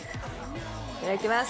いただきます。